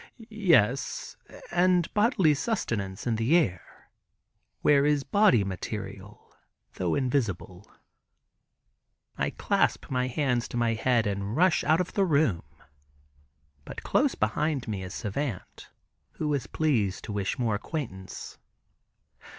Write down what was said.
"Yes, and bodily sustenance in the air, where is body material, tho' invisible." I clasp my hands to my head, and rush out of the room. But close behind me is Savant, who is pleased to wish more acquaintance.